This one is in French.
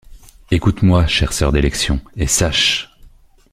Écoute-moi, chère sœur d’élection, et sache